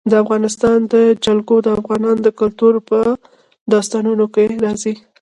د افغانستان جلکو د افغان کلتور په داستانونو کې راځي.